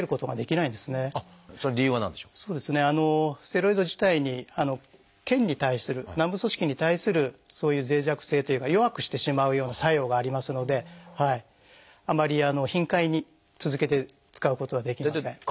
ステロイド自体に腱に対する軟部組織に対するそういう脆弱性というか弱くしてしまうような作用がありますのであまり頻回に続けて使うことはできません。